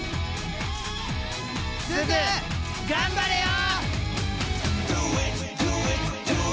すず頑張れよ！